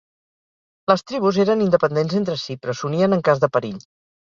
Les tribus eren independents entre si però s'unien en cas de perill.